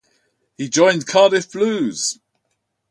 He joined Cardiff Blues.